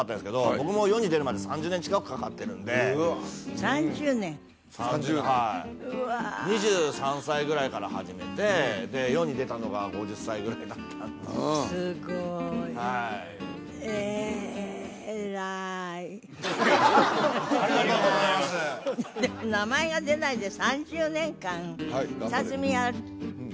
僕も世に出るまで３０年近くかかってるんではいうわ２３歳ぐらいから始めてで世に出たのが５０歳ぐらいだったんですごいはいありがとうございますありがとうございます名前が出ないで３０年間下積みやるっていうのは